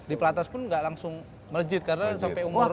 di platas pun gak langsung meledjit karena sampe umur